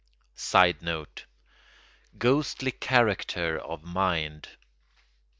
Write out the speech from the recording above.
[Sidenote: Ghostly character of mind.